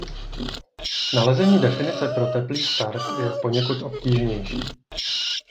Nalezení definice pro teplý start je poněkud obtížnější.